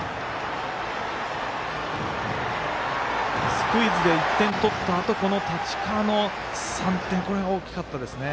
スクイズで１点取ったあとこの太刀川の３点は大きかったですね。